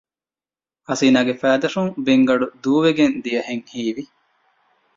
ހަސީނާގެ ފައިދަށުން ބިންގަނޑު ދޫވެގެން ދިޔަހެން ހީވި